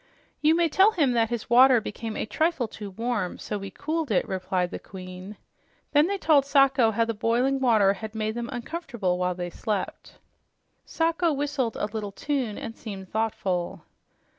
"You may tell him that his water became a trifle too warm, so we cooled it," replied the Queen. Then they told Sacho how the boiling water had made them uncomfortable while they slept. Sacho whistled a little tune and seemed thoughtful.